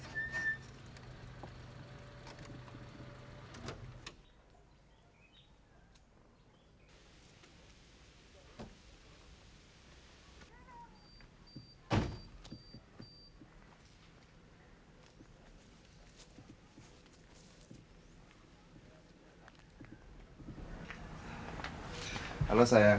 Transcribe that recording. tidak aku sudah bangun